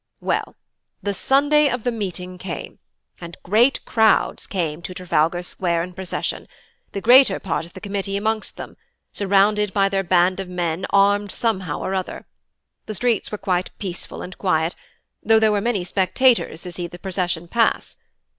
"Well, the Sunday of the meeting came, and great crowds came to Trafalgar Square in procession, the greater part of the Committee amongst them, surrounded by their band of men armed somehow or other. The streets were quite peaceful and quiet, though there were many spectators to see the procession pass.